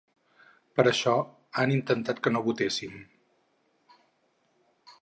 Per això han intentat que no votéssim.